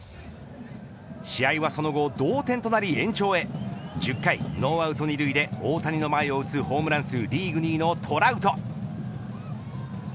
試合はその後同点となり延長へ１０回ノーアウト２塁で大谷の前を打つホームラン数リーグ２位のトラウト。